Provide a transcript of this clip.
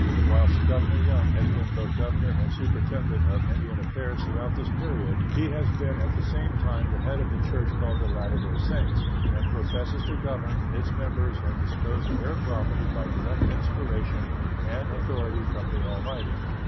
Whilst Governor Young has been both governor and superintendent of Indian affairs throughout this period, he has been at the same time the head of the church called the Latter day Saints, and professes to govern its members and dispose of their property by direct inspiration and authority from the Almighty.